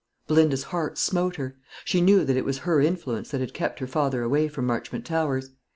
Belinda's heart smote her. She knew that it was her influence that had kept her father away from Marchmont Towers.